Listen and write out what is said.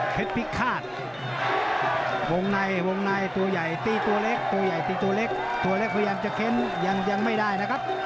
เทปิกฆาตวงในตัวใหญ่ตีตัวเล็กตัวเล็กพยายามจะเค้นยังไม่ได้นะครับ